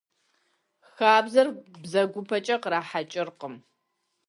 Хабзэр бзэгупэкӀэ кърахьэкӀыркъым.